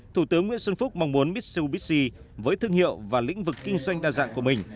thủ tướng nguyễn xuân phúc mong muốn mitsubissi với thương hiệu và lĩnh vực kinh doanh đa dạng của mình